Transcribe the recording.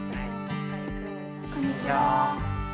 こんにちは。